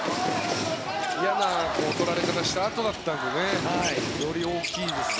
嫌な取られ方をしたあとだったのでより大きいですね。